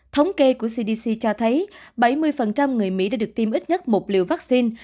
thống kê của cdc cho thấy bảy mươi người mỹ đã được tiêm ít nhất một liều vaccine